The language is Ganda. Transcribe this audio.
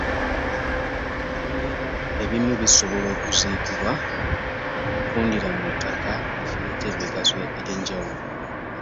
Ebimera ebimu bisobola okuziikibwa, ne bivundira mu ttaka ne kireeta emigaso egy’enjawulo.